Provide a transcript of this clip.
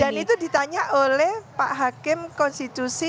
dan itu ditanya oleh pak hakim konstitusi